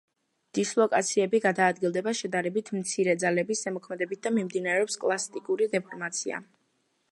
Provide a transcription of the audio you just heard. დისლოკაციები გადაადგილდება შედარებით მცირე ძალების ზემოქმედებით და მიმდინარეობს პლასტიკური დეფორმაცია.